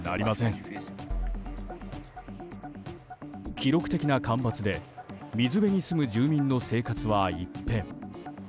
記録的な干ばつで水辺に住む住民の生活は一変。